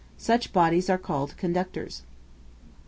Such bodies are called conductors.